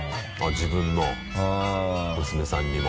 自分の娘さんにも？